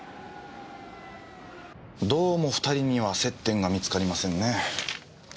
どうも２人には接点が見つかりませんね。